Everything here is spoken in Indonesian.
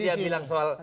soal tadi dia bilang soal